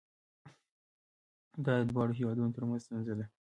دا د دواړو هیوادونو ترمنځ ستونزه ده.